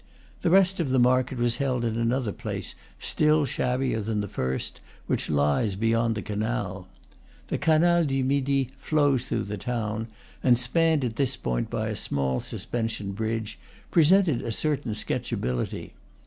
The rest of the market was held in another place, still shabbier than the first, which lies beyond the canal. The Canal du Midi flows through the town, and, spanned at this point by a small suspension bridge, presented a cer tain sketchability.